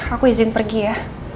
aku izin pergi ya